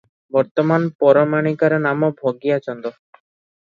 ବର୍ତ୍ତମାନ ପରମାଣିକର ନାମ ଭଗିଆ ଚନ୍ଦ ।